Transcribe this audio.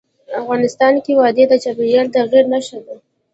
افغانستان کې وادي د چاپېریال د تغیر نښه ده.